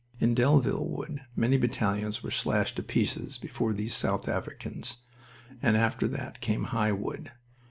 In Delville Wood many battalions were slashed to pieces before these South Africans. And after that came High Wood..